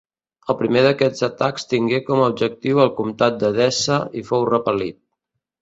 El primer d'aquests atacs tingué com a objectiu el Comtat d'Edessa i fou repel·lit.